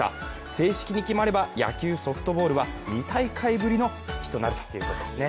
正式に決まれば、野球・ソフトボールは２大会ぶりの復帰となるということですね。